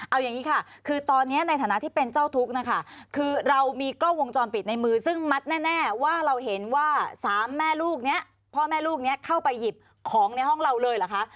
เอาอย่างนี้ค่ะคือตอนนี้ในฐานะที่เป็นเจ้าทุกข์นะคะคือเรามีกล้องวงจรปิดในมือซึ่งมัดแน่ว่าเราเห็นว่าสามแม่ลูกนี้พ่อแม่ลูกนี้เข้าไปหยิบของในห้องเราเลยเหรอคะ